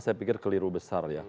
saya pikir keliru besar